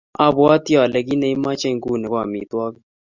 Abwoti ale kit ne imoche inguni ko amitwogik.